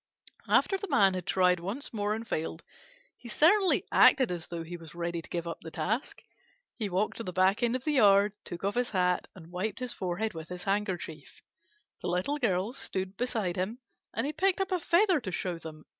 After the Man had tried once more and failed, he certainly acted as though he was ready to give up the task. He walked to the back end of the yard, took off his hat, and wiped his forehead with his handkerchief. The Little Girls stood beside him, and he picked up a feather to show them.